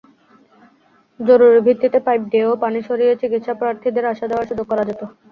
জরুরি ভিত্তিতে পাইপ দিয়েও পানি সরিয়ে চিকিৎসাপ্রার্থীদের আসা-যাওয়ার সুযোগ করা যেত।